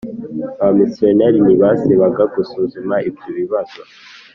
Abamisiyoneri ntibasibaga gusuzuma ibyo bibazo